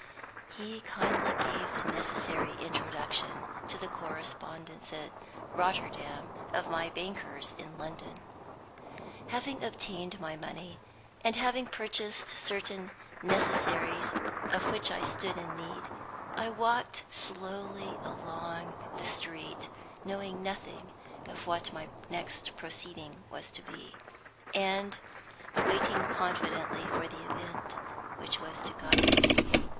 He kindly gave me the necessary introduction to the correspondents at Rotterdam of my bankers in London. Having obtained my money, and having purchased certain necessaries of which I stood in need, I walked slowly along the street, knowing nothing of what my next proceeding was to be, and waiting confidently for the event which was to guide me.